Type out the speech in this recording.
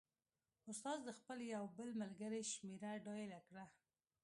استاد د خپل یو بل ملګري شمېره ډایله کړه.